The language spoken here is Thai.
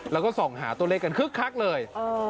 แล้วก็ส่องหาตัวเลขกันคึกคักเลย